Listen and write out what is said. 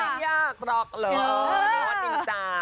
ไม่ยากหรอกหรอโดนจินจาง